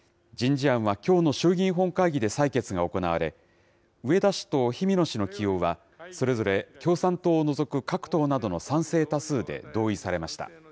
人事案は、きょうの衆議院本会議で採決が行われ、植田氏と氷見野氏の起用は、それぞれ、共産党を除く各党などの賛成多数で同意されました。